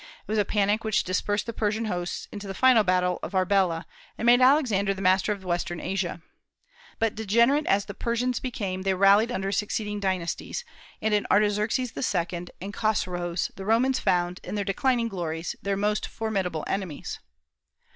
It was a panic which dispersed the Persian hosts in the fatal battle of Arbela, and made Alexander the master of western Asia. But degenerate as the Persians became, they rallied under succeeding dynasties, and in Artaxerxes II. and Chosroes the Romans found, in their declining glories, their most formidable enemies.